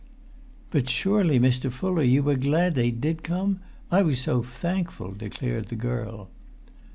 "But, surely, Mr. Fuller, you were glad they did come? I was so thankful!" declared the girl.